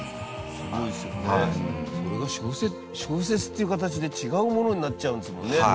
それが小説っていう形で違うものになっちゃうんですもんね